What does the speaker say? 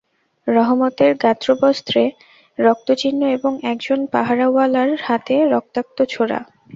রহমতের গাত্রবস্ত্রে রক্তচিহ্ন এবং একজন পাহারাওয়ালার হাতে রক্তাক্ত ছোরা।